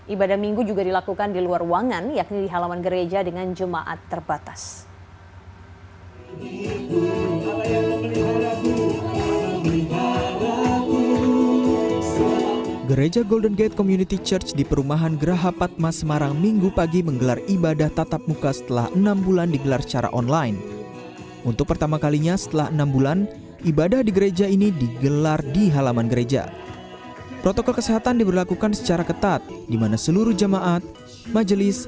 ibadah minggu juga dilakukan di luar ruangan yakni di halaman gereja dengan jemaat terbatas